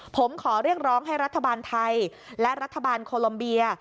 ผมขอเรียกร้องให้รัฐบาลไทยและรัฐบาลโคลอมเบีย